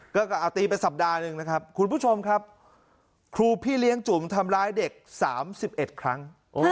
ก็เอาตีไปสัปดาห์หนึ่งนะครับคุณผู้ชมครับครูพี่เลี้ยงจุ๋มทำร้ายเด็ก๓๑ครั้ง